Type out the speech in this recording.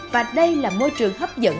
và đây là môi trường hấp dẫn